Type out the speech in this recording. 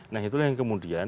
nah itulah yang kemudian